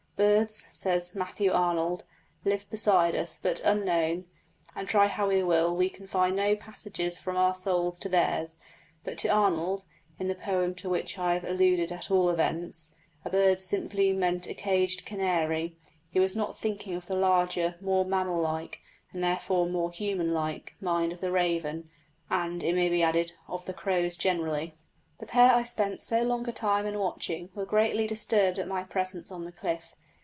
Birds, says Matthew Arnold, live beside us, but unknown, and try how we will we can find no passages from our souls to theirs. But to Arnold in the poem to which I have alluded at all events a bird simply meant a caged canary; he was not thinking of the larger, more mammal like, and therefore more human like, mind of the raven, and, it may be added, of the crows generally. The pair I spent so long a time in watching were greatly disturbed at my presence on the cliff.